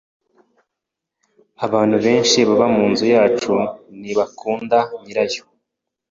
Abantu benshi baba munzu yacu ntibakunda nyirayo.